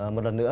một lần nữa